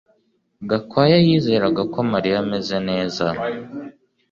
Gakwaya yizeraga ko Mariya ameze neza